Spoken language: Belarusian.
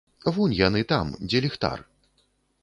Вунь яны там, дзе ліхтар.